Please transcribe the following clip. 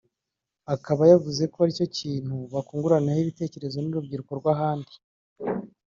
akaba yavuze ko aricyo kintu bakunguranaho ibitekerezo n’urubyiruko rw’ahandi